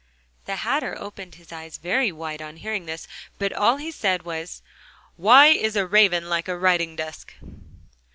The Hatter opened his eyes very wide on hearing this; but all he said was: "Why is a raven like a writing desk?"